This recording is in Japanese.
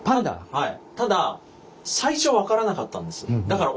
はい。